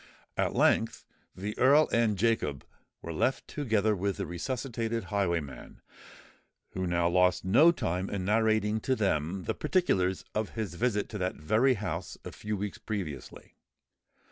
At length the Earl and Jacob were left together with the resuscitated highwayman, who now lost no time in narrating to them the particulars of his visit to that very house a few weeks previously.